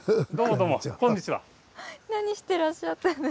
何してらっしゃって。